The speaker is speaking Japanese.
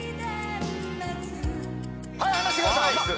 離してください。